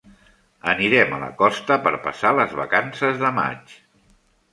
Anirem a la costa per passar les vacances de maig